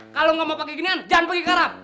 kalo gak mau pake ginian jangan pergi ke arab